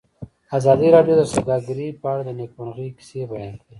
ازادي راډیو د سوداګري په اړه د نېکمرغۍ کیسې بیان کړې.